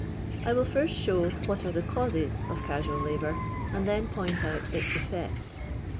I will first show what are the causes of casual labour, and then point out its effects.